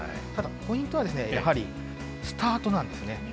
ただ、ポイントはですね、やはり、スタートなんですね。